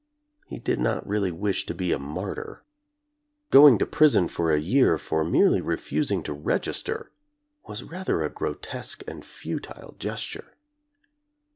He did not really wish to be a martyr. Going to prison for a year for merely refusing to register was rather a grotesque and futile gesture.